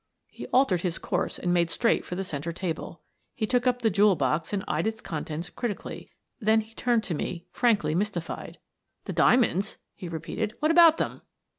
He altered his course and made straight for the centre table. He took up the jewel box and eyed its contents critically. Then he turned toward me, frankly mystified. "The diamonds?" he repeated. "What about them?"